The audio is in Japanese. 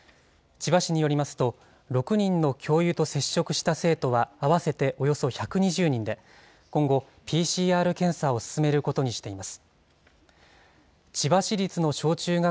千葉市によりますと、６人の教諭と接触した生徒は合わせておよそ１２０人で、今後、ＰＣＲ検査を進めることにしています。